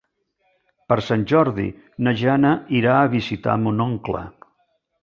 Per Sant Jordi na Jana irà a visitar mon oncle.